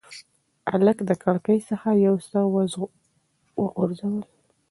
هلک له کړکۍ څخه یو څه وغورځول.